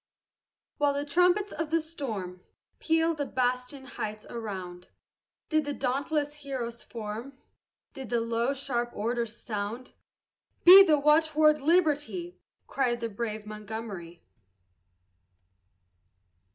While the trumpets of the storm Pealed the bastioned heights around, Did the dauntless heroes form, Did the low, sharp order sound. "Be the watchword Liberty!" Cried the brave Montgomery.